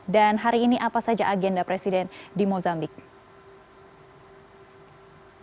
dan hari ini apa saja agenda presiden di mozambique